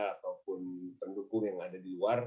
ataupun pendukung yang ada di luar